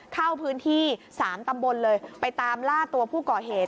เข้าพื้นที่๓ตำบลเลยไปตามล่าตัวผู้ก่อเหตุ